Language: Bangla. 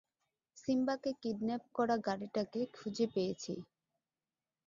সিম্বাকে কিডন্যাপ করা গাড়িটাকে খুঁজে পেয়েছি।